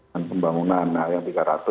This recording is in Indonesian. pembangunan nah yang tiga ratus